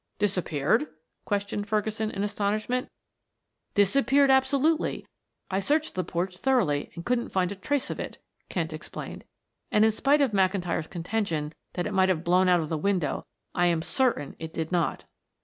"Disappeared?" questioned Ferguson in astonishment. "Disappeared absolutely; I searched the porch thoroughly and couldn't find a trace of it," Kent explained. "And in spite of McIntyre's contention that it might have blown out of the window, I am certain it did not."